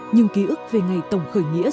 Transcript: những ký ức về ngày tổng khởi nghĩa